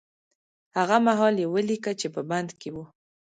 هغه مهال يې وليکه چې په بند کې و.